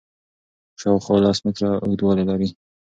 شاوخوا لس متره اوږدوالی لري.